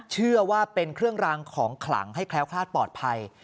เชื่อว่าเป็นเครื่องรางของขลังให้แคล้วคลาดปลอดภัย